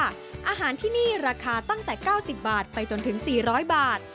อาหารที่นี่ราคาตั้งแต่๙๐บาทไปจนถึง๔๐๐บาท